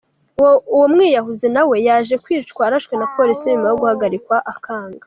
Uwo mwiyahuzi na we yaje kwicwa arashwe na polisi nyuma yo guhagarikwa akanga.